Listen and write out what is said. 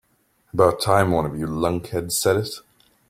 About time one of you lunkheads said it.